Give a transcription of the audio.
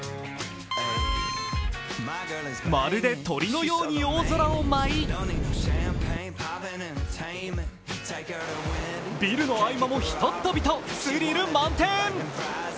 まるで鳥のように大空を舞いビルの合間もひとっ飛びと、スリル満点。